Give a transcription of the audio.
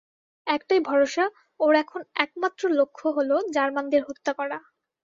একটাই ভরসা, ওর এখন একমাত্র লক্ষ্য হল জার্মানদের হত্যা করা।